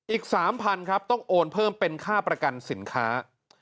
อีก๓๐๐๐ครับต้องโอนเพิ่มเป็นค่าประกันสินค้า